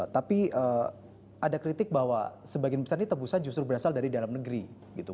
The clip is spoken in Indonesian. tapi ada kritik bahwa sebagian besar ini tebusan justru berasal dari dalam negeri gitu